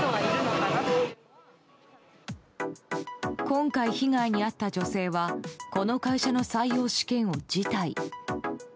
今回被害に遭った女性はこの会社の採用試験を辞退。